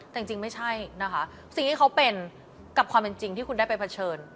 แต่จริงไม่ใช่นะคะสิ่งที่เขาเป็นกับความเป็นจริงที่คุณได้ไปเผชิญ